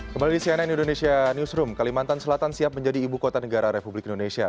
kembali di cnn indonesia newsroom kalimantan selatan siap menjadi ibu kota negara republik indonesia